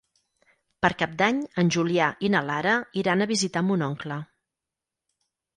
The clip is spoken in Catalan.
Per Cap d'Any en Julià i na Lara iran a visitar mon oncle.